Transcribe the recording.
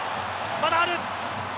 まだある。